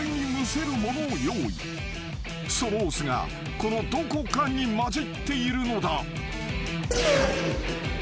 ［そのお酢がこのどこかに交じっているのだ］